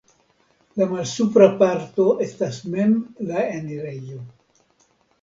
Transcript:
La malsupra parto estas mem la enirejo.